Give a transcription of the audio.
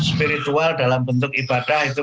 spiritual dalam bentuk ibadah itu